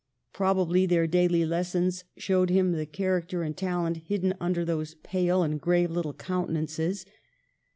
Probably their daily les sons showed him the character and talent hidden under those pale and grave little countenances.